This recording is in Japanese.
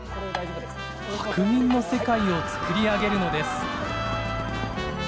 白銀の世界を作り上げるのです。